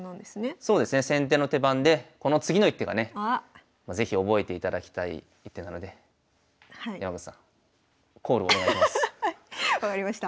そうですね先手の手番でこの次の一手がね是非覚えていただきたい一手なので分かりました。